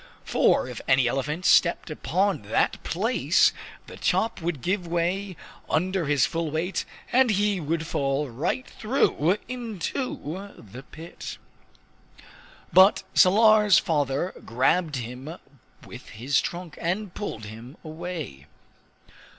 For if any elephant stepped upon that place, the top would give way under his full weight, and he would fall right through into the pit. But Salar's father grabbed him with his trunk, and pulled him away.